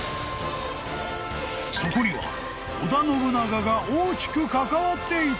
［そこには織田信長が大きく関わっていた！？］